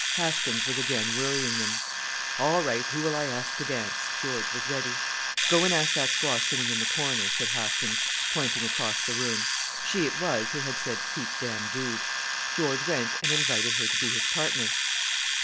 Haskins was again worrying them. "All right. Who will I ask to dance?" George was ready. "Go and ask that squaw sitting in the corner," said Haskins, pointing across the room. She it was who had said "Heap dam dood." George went and invited her to be his partner.